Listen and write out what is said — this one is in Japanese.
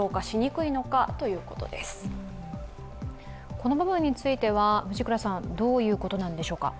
この部分については、どういうことなんでしょうか。